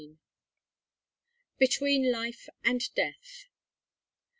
BETWEEN LIFE AND DEATH.